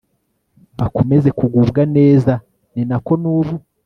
bakomeze kugubwa neza ni na ko nubu